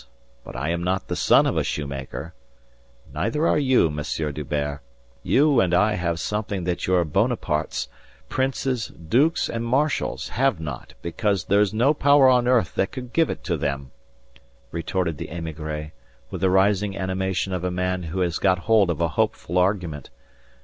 But I am not the son of a shoemaker. Neither are you, Monsieur D'Hubert. You and I have something that your Bonaparte's, princes, dukes, and marshals have not because there's no power on earth that could give it to them," retorted the émigré, with the rising animation of a man who has got hold of a hopeful argument.